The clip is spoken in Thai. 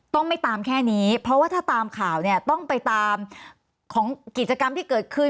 ต้องไม่ตามแค่นี้เพราะว่าถ้าตามข่าวเนี่ยต้องไปตามของกิจกรรมที่เกิดขึ้น